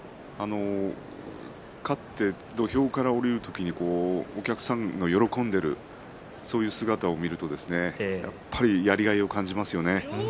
勝って土俵から下りる時にお客さんの喜んでいるそういう姿を見るとやっぱりやりがいを感じますよね。